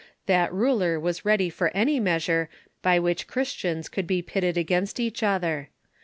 That ruler was ready for any measure by which Christians could be pitted against each other.